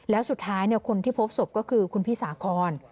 แล้วสุดท้ายคนที่พบศพก็คือคุณพี่สาคอน